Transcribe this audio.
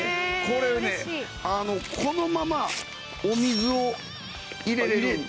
これねこのままお水を入れられる。